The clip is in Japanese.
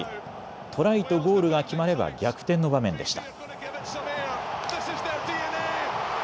トライとゴールが決まれば逆転の場面でした。